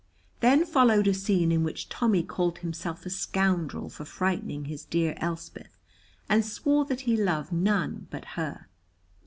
Then followed a scene in which Tommy called himself a scoundrel for frightening his dear Elspeth, and swore that he loved none but her.